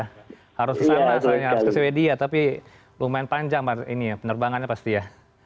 harus kesana harus kesewa dia tapi lumayan panjang ini ya penerbangannya pasti ya